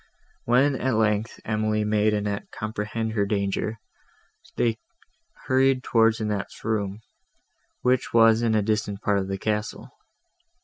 When, at length, Emily made Annette comprehend her danger, they hurried towards Annette's room, which was in a distant part of the castle.